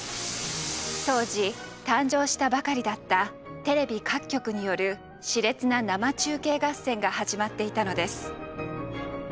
当時誕生したばかりだったテレビ各局による熾烈な生中継合戦が始まっていたのです。